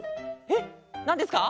えっなんですか？